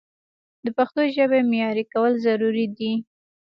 د پښتو ژبې معیاري کول ضروري دي.